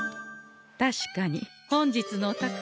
確かに本日のお宝